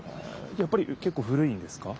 やっぱりけっこう古いんですか？